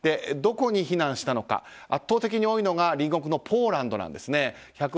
どこに避難したのか圧倒的に多いのが隣国のポーランドです。